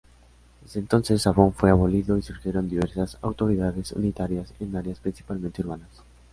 Desde entonces, Avon fue abolido y surgieron diversas autoridades unitarias en áreas principalmente urbanas.